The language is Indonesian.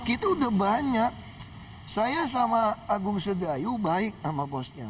kita udah banyak saya sama agung sedayu baik sama bosnya